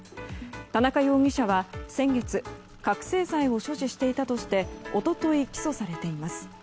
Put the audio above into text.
田中容疑者は先月覚醒剤を所持していたとして一昨日、起訴されています。